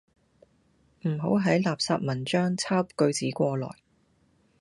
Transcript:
唔好喺垃圾文章抄句子過來